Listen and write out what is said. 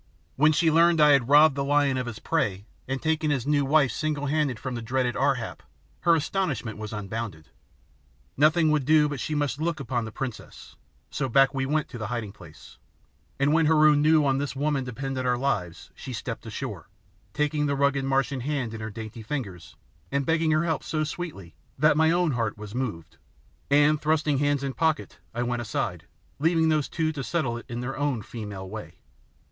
When she learned I had "robbed the lion of his prey" and taken his new wife singlehanded from the dreaded Ar hap her astonishment was unbounded. Nothing would do but she must look upon the princess, so back we went to the hiding place, and when Heru knew that on this woman depended our lives she stepped ashore, taking the rugged Martian hand in her dainty fingers and begging her help so sweetly that my own heart was moved, and, thrusting hands in pocket, I went aside, leaving those two to settle it in their own female way.